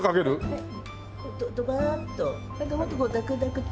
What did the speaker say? はい。